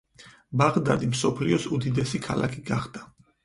ბაღდადი მსოფლიოს უდიდესი ქალაქი გახდა.